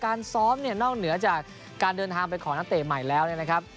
ซ้อมเนี่ยนอกเหนือจากการเดินทางไปของนักเตะใหม่แล้วเนี่ยนะครับ